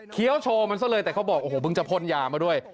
เคี้ยวโชว์มันซะเลยแต่เขาบอกโอ้โหบึงจะพ่นยามาด้วย